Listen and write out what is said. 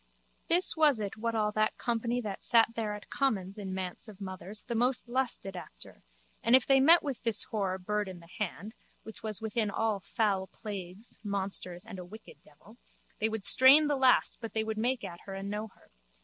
This was it what all that company that sat there at commons in Manse of Mothers the most lusted after and if they met with this whore Bird in the Hand (which was within all foul plagues, monsters and a wicked devil) they would strain the last but they would make at her and know her.